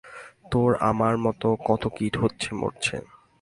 তোর আমার মত কত কীট হচ্ছে মরছে।